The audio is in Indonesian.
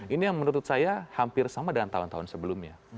ini yang menurut saya hampir sama dengan tahun tahun sebelumnya